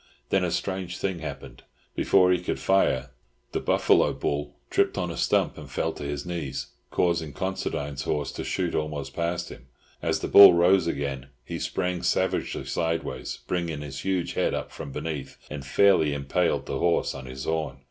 Then a strange thing happened. Before he could fire, the buffalo bull tripped on a stump and fell on his knees, causing Considine's horse to shoot almost past him. As the bull rose again, he sprang savagely sideways, bringing his huge head up from beneath, and fairly impaled the horse on his horn.